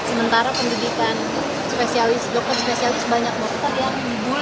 sementara pendidikan dokter spesialis banyak bapak kan yang bully